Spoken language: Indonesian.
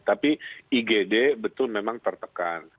tapi igd betul memang tertekan